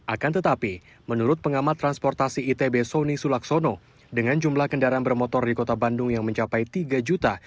akan tetapi menurut pengamat transportasi itb sony sulaksono dengan jumlah kendaraan bermotor di kota bandung yang mencapai tiga juta